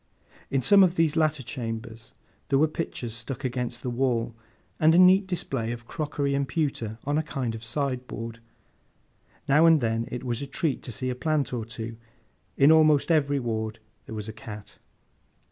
In some of these latter chambers, there were pictures stuck against the wall, and a neat display of crockery and pewter on a kind of sideboard; now and then it was a treat to see a plant or two; in almost every ward there was a cat.